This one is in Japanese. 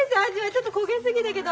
ちょっと焦げすぎたけど。